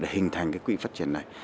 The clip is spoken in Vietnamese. hình thành cái quỹ phát triển này